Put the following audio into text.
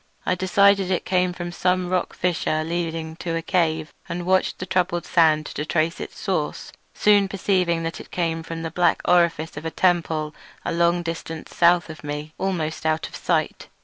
I decided that it came from some rock fissure leading to a cave, and watched the troubled sand to trace it to its source; soon perceiving that it came from the black orifice of a temple a long distance south of me, almost out of sight.